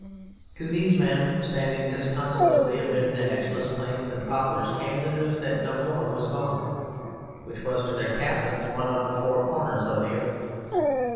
To these men, standing disconsolately amid the hedgeless plains and poplars, came the news that Namur was gone, which was to their captains one of the four corners of the earth.